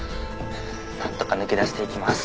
なんとか抜け出して行きます。